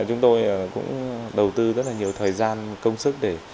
chúng tôi cũng đầu tư rất nhiều thời gian công sức